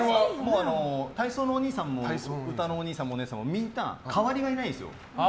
体操のおにいさんも歌のおにいさん、おねえさんもみんな、代わりがいないんですよ。